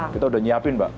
kita udah nyiapin mbak